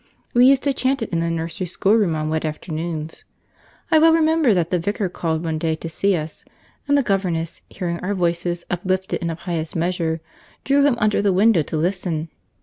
We used to chant it in the nursery schoolroom on wet afternoons. I well remember that the vicar called one day to see us, and the governess, hearing our voices uplifted in a pious measure, drew him under the window to listen.